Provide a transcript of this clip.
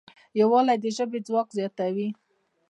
یووالی د ژبې ځواک زیاتوي.